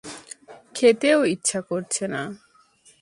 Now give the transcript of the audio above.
খেতেও ইচ্ছা করছে না।